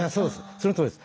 そのとおりです。